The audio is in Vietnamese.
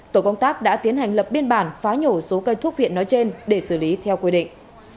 tổ công tác đã tiến hành lập biên bản phá nhổ số cây thuốc viện nói trên để xử lý theo quy định